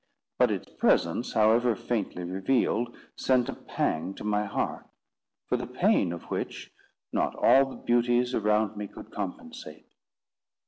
But its presence, however faintly revealed, sent a pang to my heart, for the pain of which, not all the beauties around me could compensate.